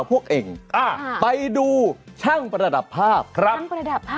เป็นไงก็บ้างละขอรับ